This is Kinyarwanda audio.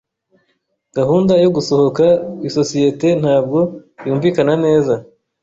Gahunda yo gusohoka kwisosiyete ntabwo yumvikana neza.